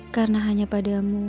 karena hanya padamu